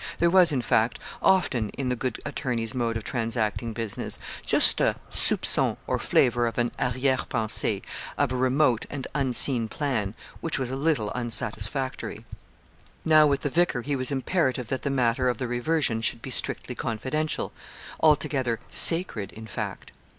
There was, in fact, often in the good attorney's mode of transacting business just a soupçon or flavour of an arrière pensée of a remote and unseen plan, which was a little unsatisfactory. Now, with the vicar he was imperative that the matter of the reversion should be strictly confidential altogether 'sacred,' in fact.